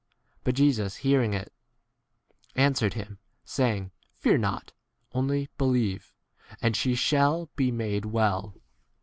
But Jesus hearing it, answered him, saying, Fear not: only believe, 51 and she shall be made well.